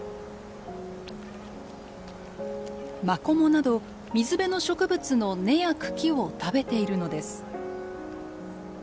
マコモなど水辺の植物の根や茎を食べているのです。